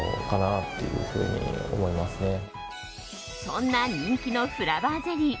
そんな人気のフラワーゼリー